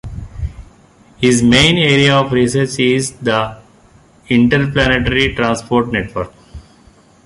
His main area of research is the Interplanetary Transport Network.